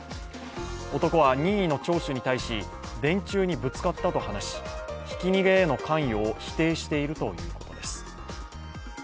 男は任意の聴取に対し、電柱にぶつかったと話しひき逃げへの関与を否定しているということです。